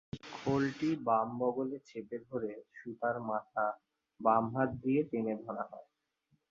খোলটি বাম বগলে চেপে ধরে সুতার মাথা বাম হাত দিয়ে টেনে ধরা হয়।